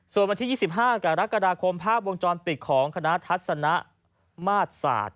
ส่วนวันที่๒๕กรกฎาคมภาพวงจรปิดของคณะทัศนะมาตรศาสตร์